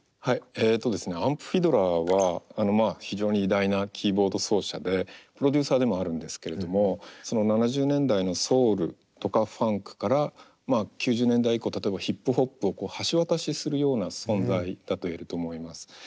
はいえとですねアンプ・フィドラーは非常に偉大なキーボード奏者でプロデューサーでもあるんですけれどもその７０年代のソウルとかファンクから９０年代以降例えばヒップホップを橋渡しするような存在だと言えると思います。